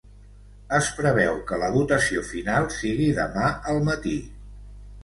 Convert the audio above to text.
Es preveu que la votació final sigui demà al matí.